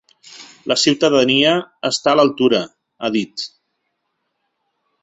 “La ciutadania està a l’altura”, ha dit.